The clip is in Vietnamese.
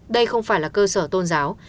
đây không phải là cơ sở tôn giáo